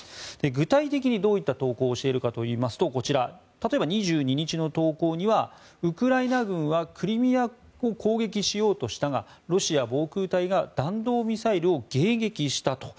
具体的にどういった投稿をしているかといいますとこちら、例えば２２日の投稿にはウクライナ軍はクリミアを攻撃しようとしたがロシア防空隊が弾道ミサイルを迎撃したと。